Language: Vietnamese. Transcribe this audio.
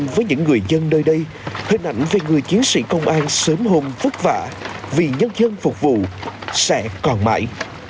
với những người dân nơi đây hình ảnh về người chiến sĩ công an sớm hôm vất vả vì nhân dân phục vụ sẽ còn mãi